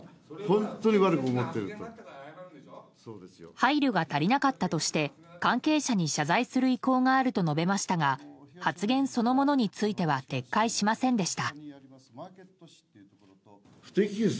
配慮が足りなかったとして関係者に謝罪する意向があると述べましたが発言そのものについては撤回しませんでした。